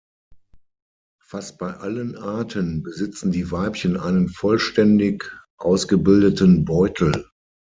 Fast bei allen Arten besitzen die Weibchen einen vollständig ausgebildeten Beutel.